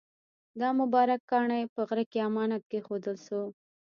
دا مبارک کاڼی په غره کې امانت کېښودل شو.